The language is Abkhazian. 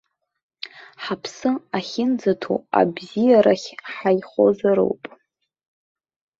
Ҳаԥсы ахьынӡаҭоу абзиарахь ҳаихозароуп.